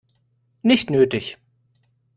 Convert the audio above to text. Nicht nötig.